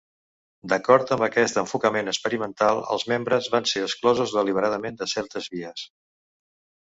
D'acord amb aquest enfocament experimental, els membres van ser exclosos deliberadament de certes vies.